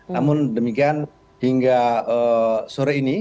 namun demikian hingga sore ini